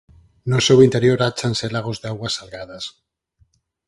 No seu interior áchanse lagos de augas salgadas.